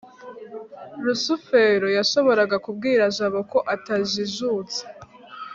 rusufero yashoboraga kubwira jabo ko atajijutse